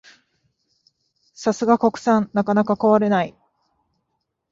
さすが国産、なかなか壊れない